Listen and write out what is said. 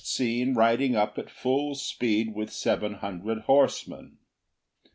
3 6 seen riding up at full speed with seven hundred horsemen.